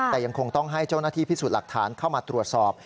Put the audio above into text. แต่ยังคงต้องให้เจ้าหน้าที่พิสูจน์หลักฐานเข้ามาตรวจสอบ